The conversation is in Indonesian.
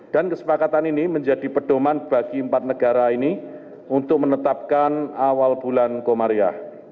dan kesepakatan ini menjadi pedoman bagi empat negara ini untuk menetapkan awal bulan komaria